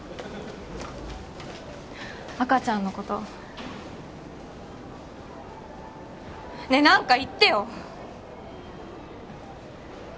赤ちゃんのことねえ何か言ってよ！